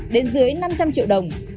đến dưới năm trăm linh triệu đồng